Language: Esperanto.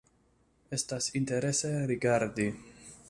Estas interese rigardi.